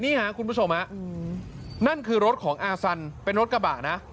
นี่ค่ะคุณผู้ชมนั่นคือรถของอาสันเป็นรถกระบะนะ